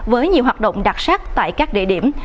với nhiều hoạt động đặc sắc tại các địa điểm